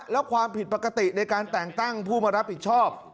แล้วความผิดปกติในการแต่งตั้งผู้มารับผิดชอบ